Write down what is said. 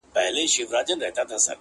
• نیمي مړۍ ته تر بازاره یوسي -